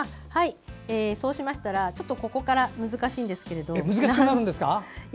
そうしましたら、ちょっとここからは難しいんですけれど。